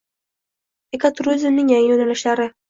Ekoturizmning yangi yo‘nalishlari